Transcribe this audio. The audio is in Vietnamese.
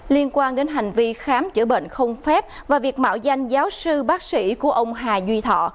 liên quan đến hành vi khám chữa bệnh không phép và việc mạo danh giáo sư bác sĩ của ông hà duy thọ